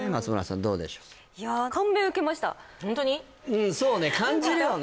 うんそうね感じるよね